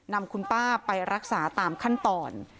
นำคุณป้าไปรักษาตามขั้นตอน